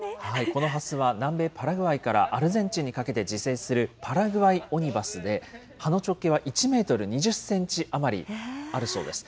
このハスは南米パラグアイからアルゼンチンにかけて自生するパラグアイオニバスで、葉の直径は１メートル２０センチ余りあるそうです。